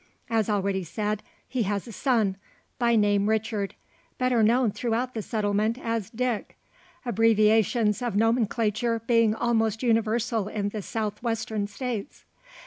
As already said, he has a son, by name Richard; better known throughout the settlement as "Dick" abbreviations of nomenclature being almost universal in the South Western States.